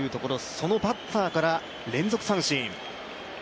そのバッターから連続三振。